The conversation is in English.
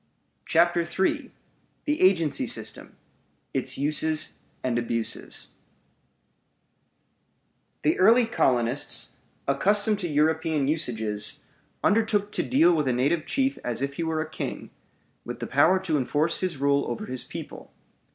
CHAPTER III THE AGENCY SYSTEM: ITS USES AND ABUSES The early colonists, accustomed to European usages, undertook to deal with a native chief as if he were a king, with the power to enforce his rule over his people.